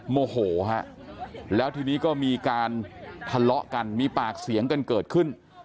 โมโหฮะแล้วทีนี้ก็มีการทะเลาะกันมีปากเสียงกันเกิดขึ้น